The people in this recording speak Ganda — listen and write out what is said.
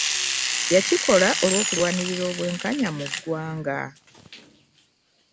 Yakikola olw'okulwanirira obwenkanya mu ggwanga